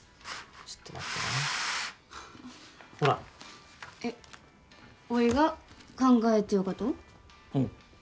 ちょっと待ってなほらえっおいが考えてよかと？